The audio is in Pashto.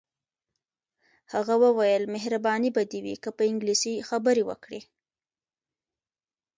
هغه وویل مهرباني به دې وي که په انګلیسي خبرې وکړې.